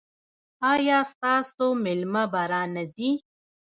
ایا ستاسو میلمه به را نه ځي؟